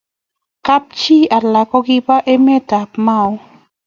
Kap chi alak kokiba emet ab Mau